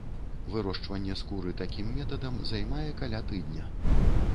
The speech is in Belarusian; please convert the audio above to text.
Вырошчванне скуры такім метадам займае каля тыдня.